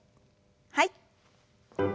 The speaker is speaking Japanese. はい。